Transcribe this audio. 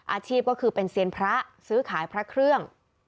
อาชีพก็คือเป็นเซียนพระซื้อขายพระเครื่อง